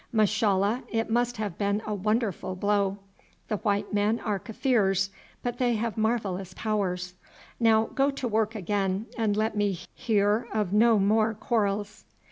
Mashallah it must have been a wonderful blow. The white men are Kaffirs, but they have marvellous powers. Now go to work again and let me hear of no more quarrels."